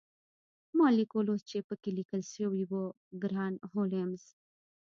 ما لیک ولوست چې پکې لیکل شوي وو ګران هولمز